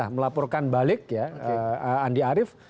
melaporkan balik andi arief